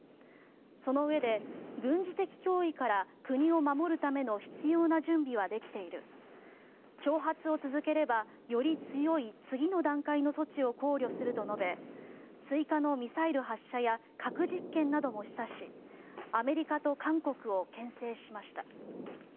そのうえで軍事的脅威から国を守るための必要な準備はできている挑発を続ければより強い次の段階の措置を考慮すると述べ追加のミサイル発射や核実験なども示唆しアメリカと韓国をけん制しました。